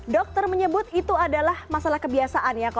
dokter menyebut itu adalah masalah kebiasaan ya